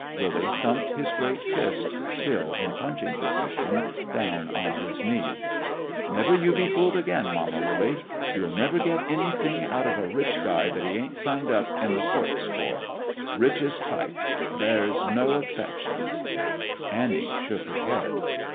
Willy thumped his great fist, still in punching position, down on his knee. "Never you be fooled again, Mama Wooley. You'll never get anything out of a rich guy that he ain't signed up in the courts for. Rich is tight. There's no exceptions." Annie shook her head.